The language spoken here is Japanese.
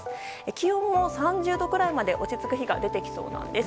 気温も３０度くらいまで落ち着く日が出てきそうです。